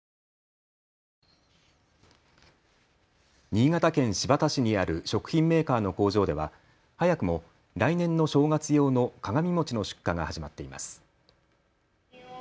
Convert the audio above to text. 新潟県新発田市にある食品メーカーの工場では早くも来年の正月用の鏡餅の出荷が始まっています。